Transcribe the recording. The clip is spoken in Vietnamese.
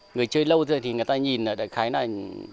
người chơi lâu rồi thì người ta nhìn là cái này